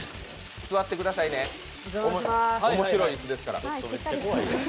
座ってくださいね面白い椅子ですから。